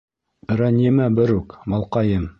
— Рәнйемә, берүк, малҡайым.